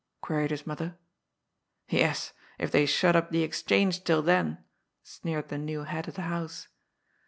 queried his mother. " Yes, if they shut up the * Exchange ' till then," sneered the new head of the house.